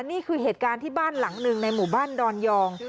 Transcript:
นี่คือเหตุการณ์ที่บ้านหลังหนึ่งในหมู่บ้านดอนยอง